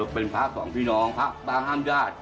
ว่าเป็นพระผักษ์สองพี่น้องพระต่างห้ามญาติ